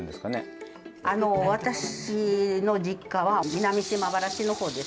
あの私の実家は南島原市の方ですよ。